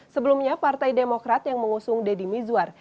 sebelumnya partai demokrat yang mengusung deddy mizwar